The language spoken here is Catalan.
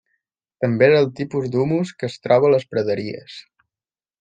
També és el tipus d'humus que es troba a les praderies.